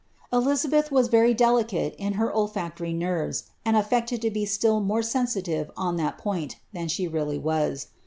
Elizabeth was very delicate in her olfactory nerves, and afiected to be •tfll more sensitive on that point than she really was.